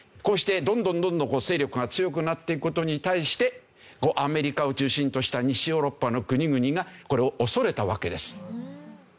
こうしてどんどんどんどん勢力が強くなっていく事に対してアメリカを中心とした西ヨーロッパの国々がこれを恐れたわけです。